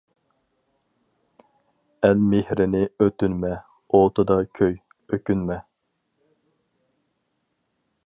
ئەل مېھرىنى ئۆتۈنمە، ئوتىدا كۆي، ئۆكۈنمە.